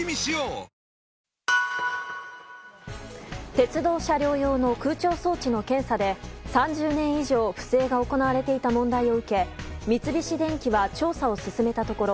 鉄道車両用の空調装置の検査で３０年以上不正が行われていた問題を受け三菱電機は調査を進めたところ